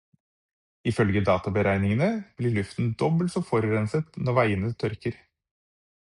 Ifølge databeregningene blir luften dobbelt så forurenset når veiene tørker.